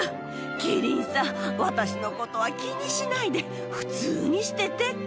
キリンさん、私のことは気にしないで、普通にしててって、